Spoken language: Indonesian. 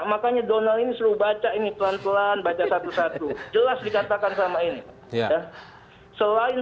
makanya donald ini suruh baca ini pelan pelan baca satu satu jelas dikatakan sama ini ya selain